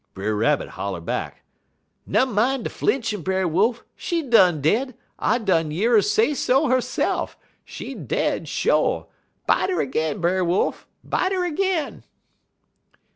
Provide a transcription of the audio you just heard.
Brer Rabbit holler back: "'Nummine de flinchin', Brer Wolf. She done dead; I done year 'er sesso 'erse'f. She dead, sho'. Bite er ag'in, Brer Wolf, bite 'er ag'in!'